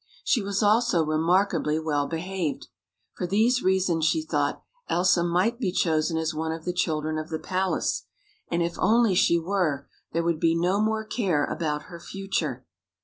She was also remarkably well behaved. For these reasons, she thought, Elsa might be chosen as one of the children of the palace, and if only she were, there would be no more care about her future.